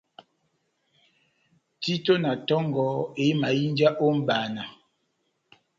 Tito na tongɔ éhimahínja ó mʼbana